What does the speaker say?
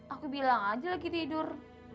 aku bilang aja lagi tidur